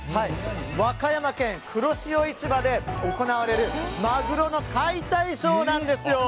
和歌山県黒潮市場で行われるマグロの解体ショーなんですよ。